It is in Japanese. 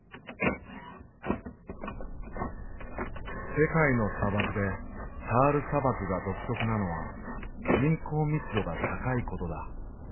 世界の砂漠でタール砂漠が独特なのは人口密度が高いことだ。